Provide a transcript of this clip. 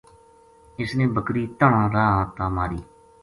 اس نے بکری تنہاں راہ تا ماری